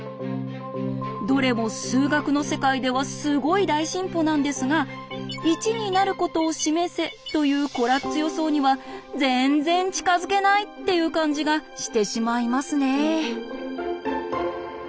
どれも数学の世界ではすごい大進歩なんですが「１になることを示せ」というコラッツ予想には全然近づけないっていう感じがしてしまいますね。